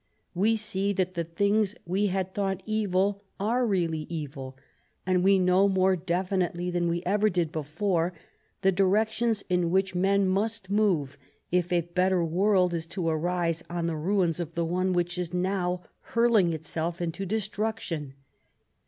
We see that the things we had thought evil are really evil, and we know more definitely than we ever did before the directions in which men must move if a better world is to arise on the ruins of the one which is now hurling itself into destruction.